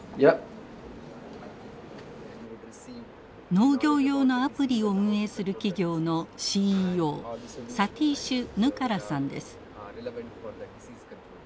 農業用のアプリを運営する企業のＣＥＯサティーシュ・ヌカラさんです。